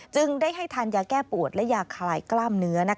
จึงได้ให้ทานยาแก้ปวดและยาคลายกล้ามเนื้อ